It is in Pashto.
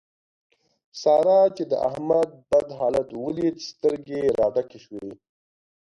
سارا چې د احمد بد حالت وليد؛ سترګې يې را ډکې شوې.